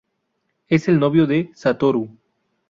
Es el novio de Satoru.